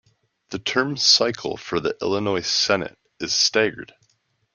The term cycle for the Illinois Senate is staggered.